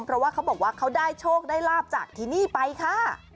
เพราะว่าเขาบอกว่าเขาได้โชคได้ลาบจากที่นี่ไปค่ะ